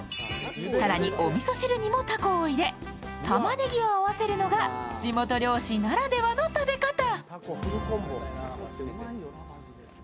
更に、おみそ汁にもタコを入れタマネギを合わせるのが地元漁師ならではの食べ方。